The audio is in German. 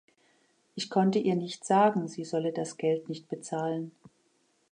Ich konnte ihr nicht sagen, sie solle das Geld nicht bezahlen.